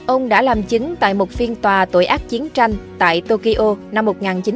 ông đã làm chứng tại một phiên tòa tội ác chiến tranh tại tokyo năm một nghìn chín trăm bảy mươi